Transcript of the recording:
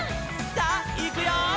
「さあいくよー！」